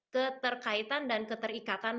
keterkaitan dan keterikatan